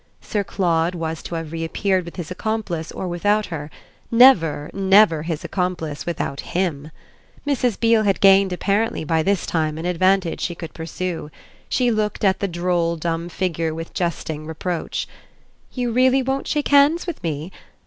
Sir Claude was to have reappeared with his accomplice or without her; never, never his accomplice without HIM. Mrs. Beale had gained apparently by this time an advantage she could pursue: she looked at the droll dumb figure with jesting reproach. "You really won't shake hands with me?